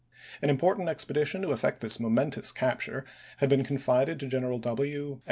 An important expedition to effect this mo mentous capture had been confided to General W.